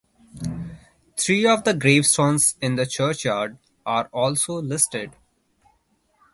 Three of the gravestones in the churchyard are also listed.